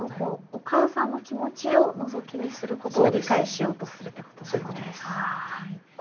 お母さんの気持ちをのぞき見することで理解しようとするってことですね。